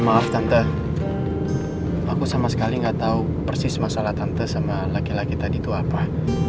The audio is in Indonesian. maaf tante aku sama sekali nggak tahu persis masalah tante sama laki laki tadi itu apa